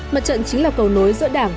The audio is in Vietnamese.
mặt trận chính là cầu nối giữa đảng